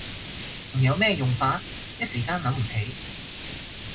仲有咩用法？一時間諗唔起